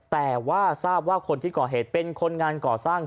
แต่ว่าทราบว่าคนที่ก่อเหตุเป็นคนงานก่อสร้าง